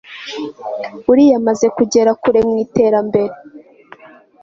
uriya amaze kugera kure mu itera mbere